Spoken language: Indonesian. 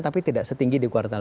tapi tidak setinggi di kuartal